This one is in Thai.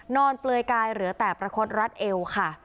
เปลือยกายเหลือแต่ประคดรัดเอวค่ะ